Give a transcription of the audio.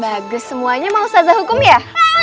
bagus semuanya mau saza hukum ya